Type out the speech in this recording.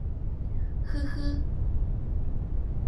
呵呵！